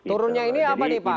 turunnya ini apa nih pak